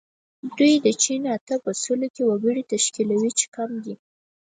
دوی د چین اته په سلو کې وګړي تشکیلوي چې کم دي.